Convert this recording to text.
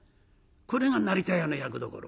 これが成田屋の役どころ。